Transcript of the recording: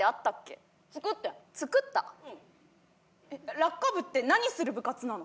落下部って何する部活なの？